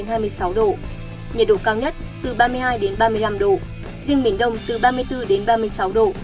nhiệt độ cao nhất từ ba mươi hai ba mươi năm độ riêng miền đông từ ba mươi bốn ba mươi sáu độ có nơi trên ba mươi sáu độ